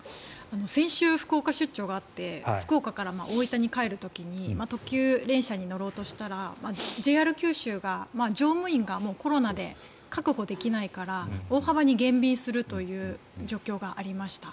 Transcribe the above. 先週、福岡出張があって福岡から大分に帰る時に特急電車に乗ろうとしたらＪＲ九州が乗務員がコロナで確保できないから大幅に減便するという状況がありました。